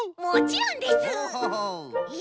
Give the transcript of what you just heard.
もちろんです！